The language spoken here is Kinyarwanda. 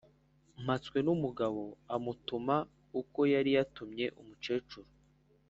mpatswenumugabo, amutuma uko yari yatumye umukecuru.